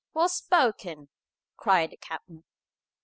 "Well spoken!" cried the captain.